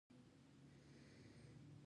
دا همغه تله ده چې له خوند بې برخې کړي یو.